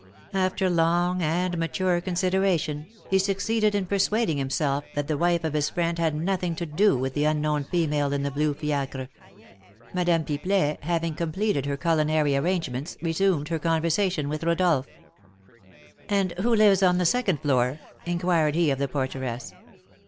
After long and mature consideration, he succeeded in persuading himself that the wife of his friend had nothing to do with the unknown female in the blue fiacre. Madame Pipelet, having completed her culinary arrangements, resumed her conversation with Rodolph. "And who lives on the second floor?" inquired he of the porteress.